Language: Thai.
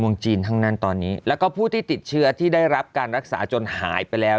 เมืองจีนทั้งนั้นตอนนี้แล้วก็ผู้ที่ติดเชื้อที่ได้รับการรักษาจนหายไปแล้ว